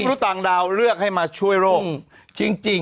มนุษย์ต่างดาวต้องการจะเจอหน่อย